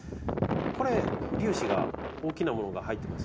これ粒子が大きなものが入ってますよね。